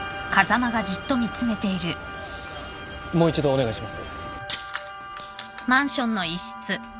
もう一度お願いします。